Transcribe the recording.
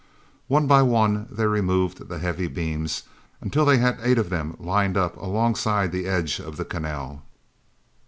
One by one, they removed the heavy beams, until they had eight of them lined up alongside the edge of the canal.